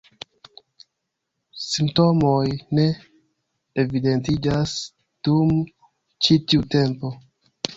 Simptomoj ne evidentiĝas dum ĉi tiu tempo.